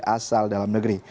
asal dalam negeri